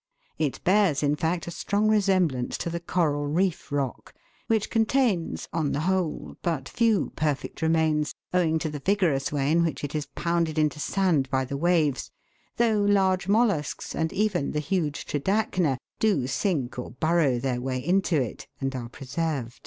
It bears, in fact, a strong resem blance to the coral reef rock, which contains on the whole but few perfect remains, owing to the. vigorous way in which it is pounded into sand by the waves, though large mollusks, and even the huge Tridacna, do sink or burrow their way into it and are preserved.